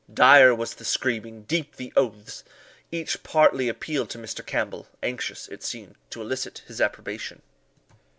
Dire was the screaming deep the oaths! Each party appealed to Mr. Campbell, anxious, it seemed, to elicit his approbation.